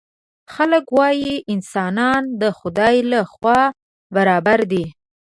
خلک وايي انسانان د خدای له خوا برابر دي.